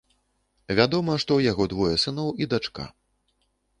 Вядома, што ў яго двое сыноў і дачка.